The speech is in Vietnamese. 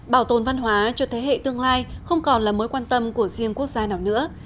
bảo tồn văn hóa cho thế hệ tương lai không còn là mối quan tâm của riêng quốc gia nào nữa